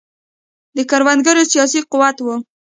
د کروندګرو سیاسي قوت و.